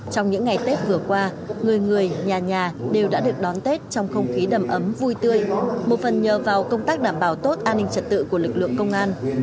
trong những ngày tết vừa qua người người nhà nhà đều đã được đón tết trong không khí đầm ấm vui tươi một phần nhờ vào công tác đảm bảo tốt an ninh trật tự của lực lượng công an